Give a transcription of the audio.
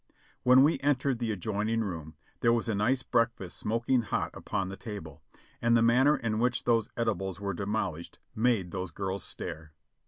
When we entered the adjoining room there was a nice breakfast smoking hot upon the table; and the manner in which those edibles were demohshed made those girls stare.